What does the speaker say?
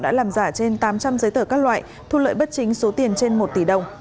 đã làm giả trên tám trăm linh giấy tờ các loại thu lợi bất chính số tiền trên một tỷ đồng